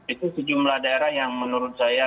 itu sejumlah daerah yang menurut saya